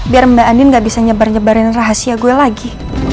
biar mbak andin gak bisa nyebar nyebarin rahasia gue lagi